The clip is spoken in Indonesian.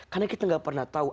karena kita nggak pernah tahu